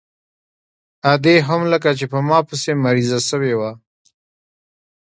ادې هم لکه چې په ما پسې مريضه سوې وه.